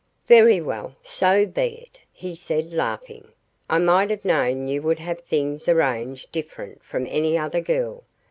"Very well; so be it," he said laughing. "I might have known you would have things arranged different from any other girl.